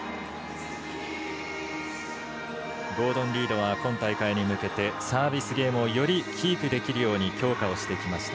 ゴードン・リードは今大会に向けてサービスゲームをよりキープできるように強化をしてきました。